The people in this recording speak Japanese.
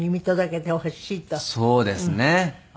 そうですね。